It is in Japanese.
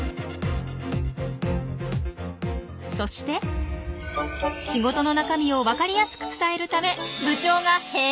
そして仕事の中身を分かりやすく伝えるため部長が変身！